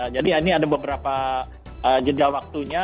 jadi ini ada beberapa jendela waktunya